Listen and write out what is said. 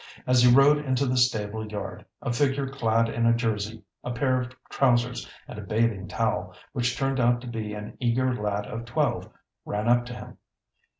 As he rode into the stable yard, a figure clad in a jersey, a pair of trousers, and a bathing towel, which turned out to be an eager lad of twelve, ran up to him.